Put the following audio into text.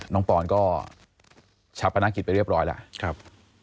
น้องปอนก็ชับกับนักกิจไปเรียบร้อยแล้วครับ